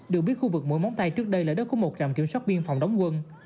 được biết khu vực mũi móng tây trước đây là đất có một rạm kiểm soát biên phòng đóng quân